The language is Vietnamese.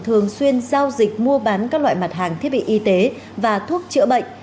thường xuyên giao dịch mua bán các loại mặt hàng thiết bị y tế và thuốc chữa bệnh